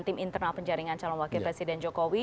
tim internal penjaringan calon wakil presiden jokowi